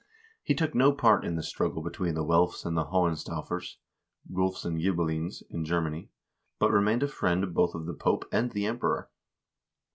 He took no part in the struggle between the Welfs and the Hohenstaufers (Guelfs and Ghibellines) in Germany, but remained a friend both of the Pope and the Emperor.